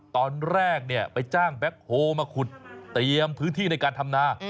ตอนแรกไปจ้างแบ็คโฮลมาขุดเตรียมพื้นที่ในการทำนา